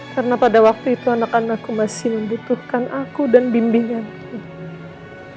karena pada waktu itu anak anakku masih membutuhkan aku dan bimbinganku